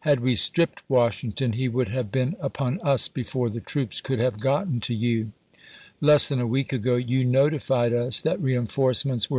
Had we stripped Washington, he would have been upon us before the troops could have gotten to you. Less than a week ago you notified us that reenforcements were leaving Richmond to come in front of us.